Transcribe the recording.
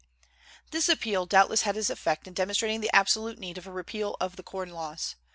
This appeal doubtless had its effect in demonstrating the absolute need of a repeal of the corn laws.